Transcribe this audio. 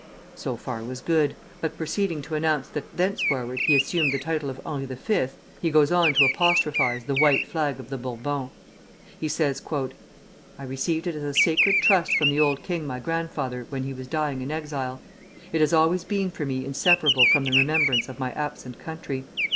So far was good; but proceeding to announce that thenceforward he assumed the title of Henri V., he goes on to apostrophize the "White Flag" of the Bourbons. He says, "I received it as a sacred trust from the old king my grandfather when he was dying in exile. It has always been for me inseparable from the remembrance of my absent country.